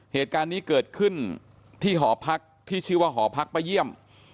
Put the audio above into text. เหตุการณ์นี้เกิดขึ้นที่หอพักที่ชื่อว่าหอพักป้าเยี่ยม